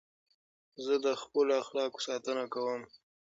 زه د خپلو اخلاقو ساتنه کوم.